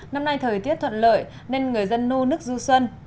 năm nay thời tiết thuận lợi nên người dân nô nước du xuân